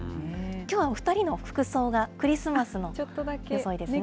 きょうは、２人の服装がクリスマスの装いですね。